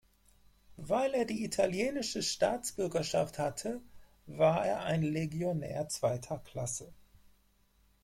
Weil er die italienische Staatsbürgerschaft hatte, war er ein „Legionär zweiter Klasse“.